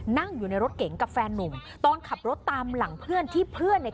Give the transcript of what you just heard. นั่งอยู่ในรถเก๋งกับแฟนนุ่มตอนขับรถตามหลังเพื่อนที่เพื่อนเนี่ย